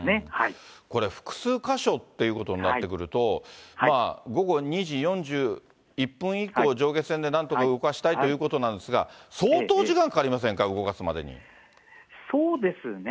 これ、複数か所ということになってくると、午後２時４１分以降、上下線でなんとか動かしたいということなんですが、相当時間かかそうですね。